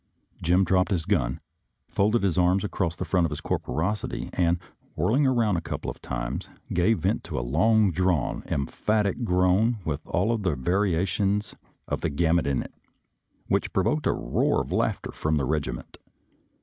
Jim dropped his gun, folded his arms across the front of his corporosity, and, whirl ing around a couple of times, gave vent to a long drawn, emphatic groan with all the variations of the gamut in it, which provoked a roar of laughter from the regiment.